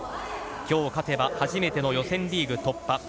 今日、勝てば初めての予選リーグ突破。